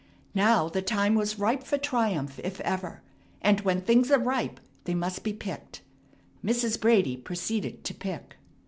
Now the time was ripe for triumph if ever, and when things are ripe they must be picked. Mrs. Brady proceeded to pick.